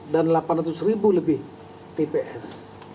dan delapan ratus ribu lebih pps